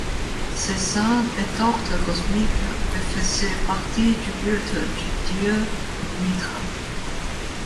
Cette scène est d'ordre cosmique et faisait partie du culte du dieu Mithra.